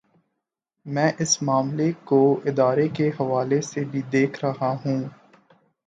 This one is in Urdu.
میں اس معاملے کو ادارے کے حوالے سے بھی دیکھ رہا ہوں۔